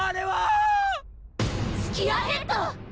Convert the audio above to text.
スキアヘッド！